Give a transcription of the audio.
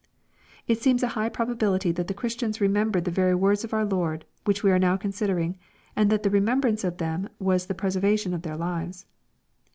It seems a high probability that the Christians remembered the very words of our Lord which we are now considering, and that the remembrance of them was the preservation of their lives.